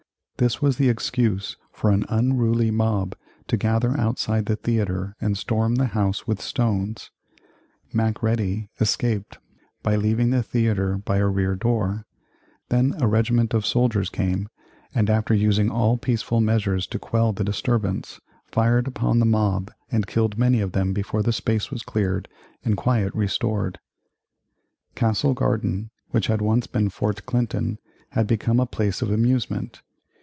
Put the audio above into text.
This was the excuse for an unruly mob to gather outside the theatre and storm the house with stones. Macready escaped by leaving the theatre by a rear door. Then a regiment of soldiers came and after using all peaceful measures to quell the disturbance, fired upon the mob and killed many of them before the space was cleared and quiet restored. [Illustration: Crystal Palace.] Castle Garden, which had once been Fort Clinton, had become a place of amusement.